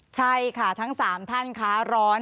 ใช่ค่ะทั้ง๓ท่านค้าร้อน